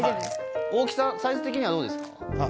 サイズ的にはどうですか？